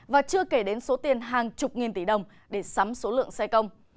và chưa kể đến số tiền hàng chục nghìn tỷ đồng để sắm số lượng xe công